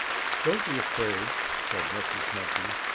"Don't be afraid," said Mrs. Monkey.